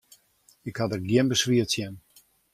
Ik ha der gjin beswier tsjin.